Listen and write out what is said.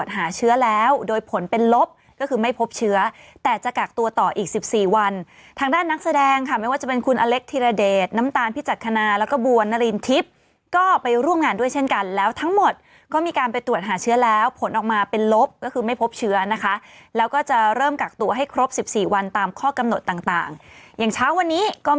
หาเชื้อแล้วโดยผลเป็นลบก็คือไม่พบเชื้อแต่จะกักตัวต่ออีกสิบสี่วันทางด้านนักแสดงค่ะไม่ว่าจะเป็นคุณอเล็กธิรเดชน้ำตาลพิจักษณาแล้วก็บัวนารินทิพย์ก็ไปร่วมงานด้วยเช่นกันแล้วทั้งหมดก็มีการไปตรวจหาเชื้อแล้วผลออกมาเป็นลบก็คือไม่พบเชื้อนะคะแล้วก็จะเริ่มกักตัวให้ครบสิบสี่วันตามข้อกำหนดต่างอย่างเช้าวันนี้ก็